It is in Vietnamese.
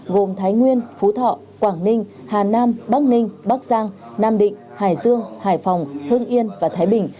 gồm thái nguyên phú thọ quảng ninh hà nam bắc ninh bắc giang nam định hải dương hải phòng hương yên và thái bình